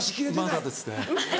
まだですね。